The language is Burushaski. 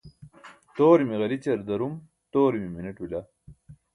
toorimi ġarićar darum toorimi mineṭ bila